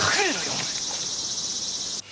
お前。